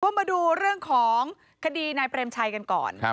มาดูเรื่องของคดีนายเปรมชัยกันก่อน